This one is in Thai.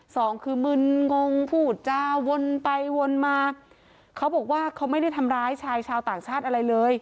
สองคือมึนงงพูดจาวนไปวนมาเขาบอกว่าเขาไม่ได้ทำร้ายชายชาวต่างชาติอะไรเลย